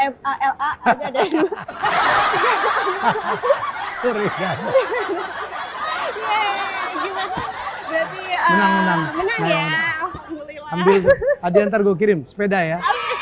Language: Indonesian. hai mla ada dan berarti menang menang ya alhamdulillah ada yang tergokirin sepeda ya